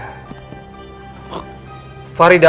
tentu aku sangat menyukai farida